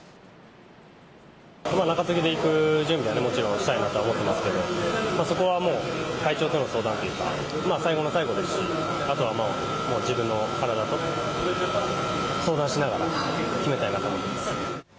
中継ぎでいく準備はもちろんしたいなと思ってますけど、そこはもう、体調との相談というか、最後の最後ですし、あとはもう、自分の体と相談しながら決めたいなと思ってます。